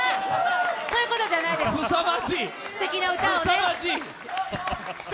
そういうことじゃないです、すてきな歌を届けて。